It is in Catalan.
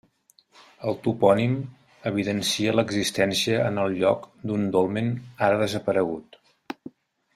El topònim evidencia l'existència en el lloc d'un dolmen, ara desaparegut.